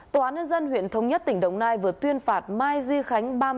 tòa án nhân dân huyện thống nhất tỉnh đồng nai vừa tuyên phạt mai duy khánh